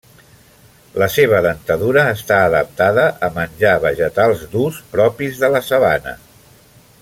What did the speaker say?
La seva dentadura està adaptada a menjar vegetals durs propis de la sabana.